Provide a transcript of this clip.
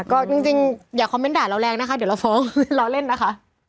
ก็จริงอย่าคอมเมนต์ด่าเราแรงนะคะเดี๋ยวเราฟ้องเราเล่นนะคะ